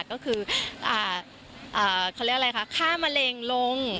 ก็คือเขาเรียกอะไรคะฆ่ามะเร็งลง